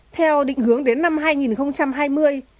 theo định hướng đến năm hai nghìn hai mươi